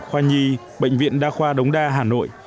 khoa nhi bệnh viện đa khoa đống đa hà nội